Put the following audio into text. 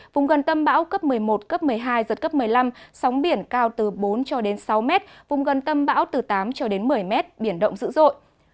vùng gần tâm bão cấp một mươi một cấp một mươi hai giật cấp một mươi năm sóng biển cao từ bốn cho đến sáu mét vùng gần tâm bão từ tám cho đến một mươi m biển động dữ dội